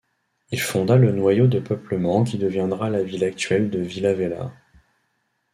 Il fonda le noyau de peuplement qui deviendra la ville actuelle de Vila Velha.